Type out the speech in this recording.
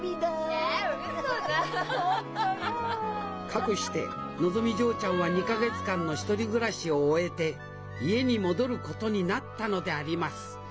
かくしてのぞみ嬢ちゃんは２か月間の１人暮らしを終えて家に戻ることになったのであります。